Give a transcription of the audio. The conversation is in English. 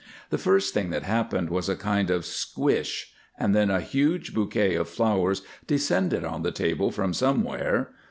The first thing that happened was a kind of "squish," and then a huge bouquet of flowers descended on the table from somewhere.